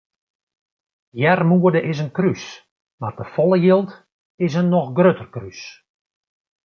Earmoede is in krús mar te folle jild is in noch grutter krús.